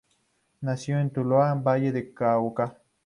Nació en Tuluá, Valle del Cauca.